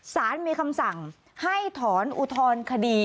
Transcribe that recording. สารมีคำสั่งให้ถอนอุทธรณคดี